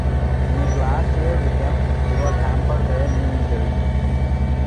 In his last year with them he was hampered by a knee injury.